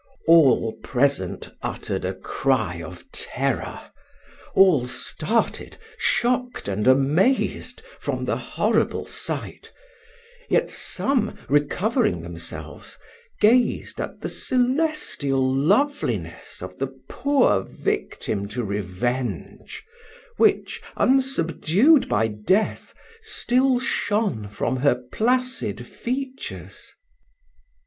All present uttered a cry of terror all started, shocked and amazed, from the horrible sight; yet some, recovering themselves, gazed at the celestial loveliness of the poor victim to revenge, which, unsubdued by death, still shone from her placid features.